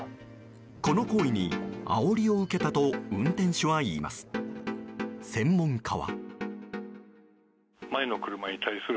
この行為にあおりを受けたと運転手は言います。